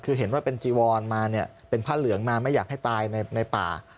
คือเห็นว่าเป็นจีวอนมาเนี่ยเป็นผ้าเหลืองมาไม่อยากให้ตายในป่า